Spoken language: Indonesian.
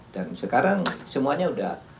dan sekarang semuanya sudah